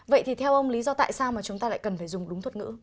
vậy thì theo ông lý do tại sao mà chúng ta lại cần phải dùng đúng thuật ngữ